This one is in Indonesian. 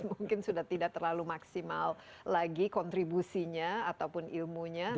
mungkin sudah tidak terlalu maksimal lagi kontribusinya ataupun ilmunya